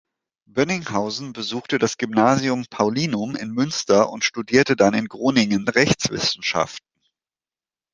Bönninghausen besuchte das Gymnasium Paulinum in Münster und studierte dann in Groningen Rechtswissenschaften.